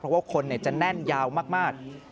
เพราะว่าคนจะแน่นยาวมาก